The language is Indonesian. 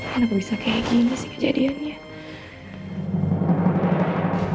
kenapa bisa kayak gini sih kejadiannya